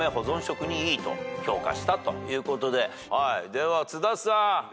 では津田さん。